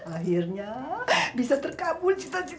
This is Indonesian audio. akhirnya bisa terkabul cita cita